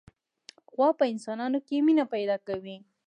غوا په انسانانو کې مینه پیدا کوي.